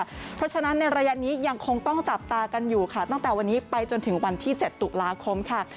เพราะฉะนั้นในระยะนี้ยังคงต้องจับตากันอยู่ค่ะตั้งแต่วันนี้ไปจนถึงวันที่๗ตุลาคมค่ะ